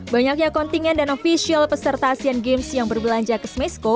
banyaknya kontingen dan ofisial peserta asean games yang berbelanja ke smesco